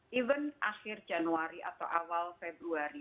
even akhir januari atau awal februari